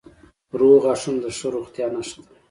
روغ غاښونه د ښه روغتیا نښه ده.